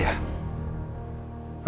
tidak ada apa apa